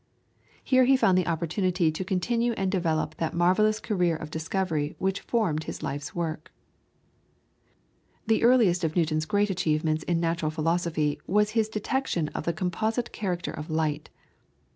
Here he found the opportunity to continue and develop that marvellous career of discovery which formed his life's work. The earliest of Newton's great achievements in natural philosophy was his detection of the composite character of light.